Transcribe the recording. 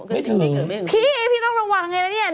นอนน้อยหรือเปล่าก็บอกเลย